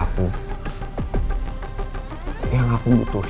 aku gak butuh perempuan yang sederajat sama keluarga aku